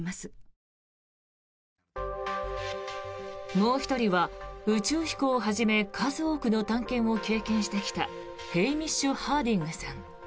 もう１人は宇宙飛行をはじめ数多くの探検を経験してきたヘイミッシュ・ハーディングさん。